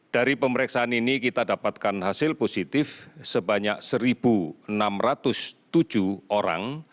dari pemeriksaan ini kita dapatkan hasil positif sebanyak satu enam ratus tujuh orang